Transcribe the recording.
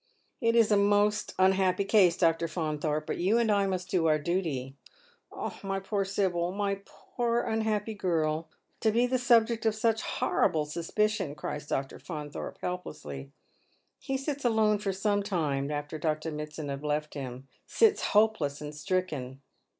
" It is a most unhappy case, Dr. Faunthorpe, but you and I must do our duty." " My poor Sibyl — my poor unhnppy girl — to be the subject of such a horrible suspicion !" cries Dr. Faunthorpe, helplessly. He sits alone for some time after Dr. Mitsand has left him, sits hopeless and stricken.